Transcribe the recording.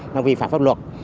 nó vi phạm pháp luật